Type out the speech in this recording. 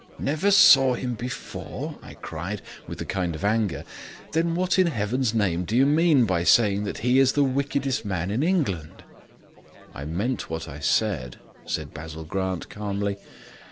"Never saw him before!" I cried, with a kind of anger; "then what in heaven's name do you mean by saying that he is the wickedest man in England?" "I meant what I said," said Basil Grant calmly.